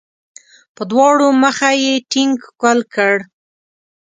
په دواړه مخه یې ټینګ ښکل کړ.